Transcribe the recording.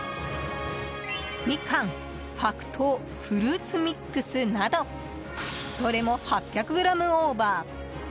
みかん、白桃フルーツミックスなどどれも８００ｇオーバー。